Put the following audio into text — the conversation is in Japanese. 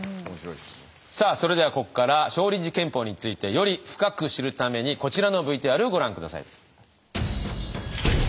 さあそれではここから少林寺拳法についてより深く知るためにこちらのＶＴＲをご覧下さい。